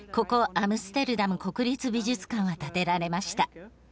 アムステルダム国立美術館は建てられました。